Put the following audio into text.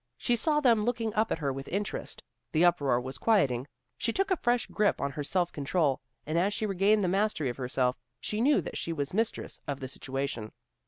She saw them looking up at her with interest. The uproar was quieting. She took a fresh grip on her self control, and as she regained the mastery of herself, she knew that she was mistress of the situation.